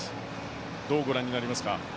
どう、ご覧になりますか。